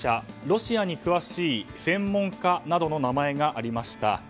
ロシアに詳しい専門家などの名前がありました。